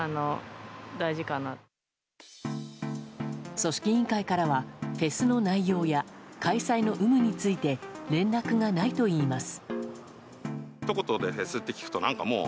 組織委員会からはフェスの内容や開催の有無について連絡がないといいます。